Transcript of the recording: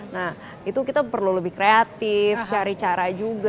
nah itu kita perlu lebih kreatif cari cara juga